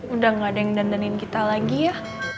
udah gak ada yang dandanin kita lagi ya